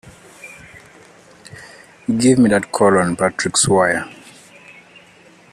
Give me that call on Patrick's wire!